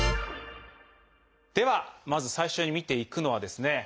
ではまず最初に見ていくのはですね